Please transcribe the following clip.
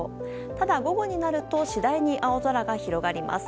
ただ、午後になると次第に青空が広がります。